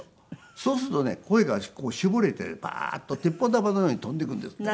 そうするとねこう声が絞れてバーッと鉄砲玉のように飛んでいくんですね。